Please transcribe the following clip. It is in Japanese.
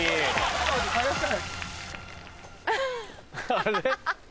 あれ？